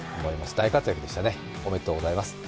大活躍でしたね、おめでとうございます。